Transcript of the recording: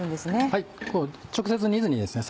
はい直接煮ずにですね